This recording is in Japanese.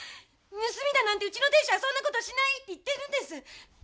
盗みだなんてうちの亭主はそんな事しないって言ってるんです。